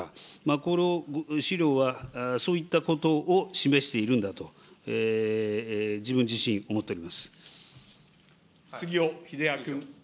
この資料は、そういったことを示しているんだと、自分自身思って杉尾秀哉君。